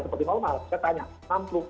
seperti kalau saya tanya